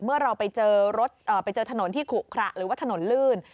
เมื่อเราไปเจอรถไปเจอถนนที่ขุขระหรือว่าถนนลื่น